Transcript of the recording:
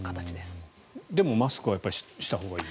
でも、マスクはしたほうがいいと。